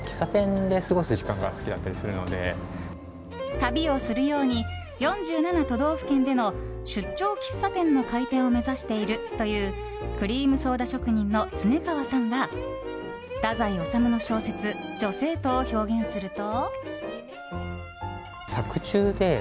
旅をするように４７都道府県での出張喫茶店の開店を目指しているというクリームソーダ職人のｔｓｕｎｅｋａｗａさんが太宰治の小説「女生徒」を表現すると。